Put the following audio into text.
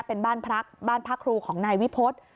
เป็นบ้านพักบ้านพักครูของนายวิพฤษ